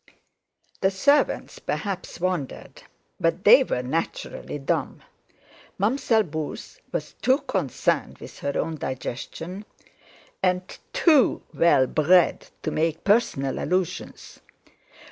The servants perhaps wondered, but they were, naturally, dumb. Mam'zelle Beauce was too concerned with her own digestion, and too "well brrred" to make personal allusions.